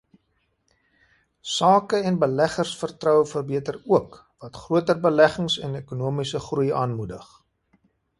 Sake- en beleggersvertroue verbeter ook, wat groter beleggings en ekonomiese groei aanmoedig.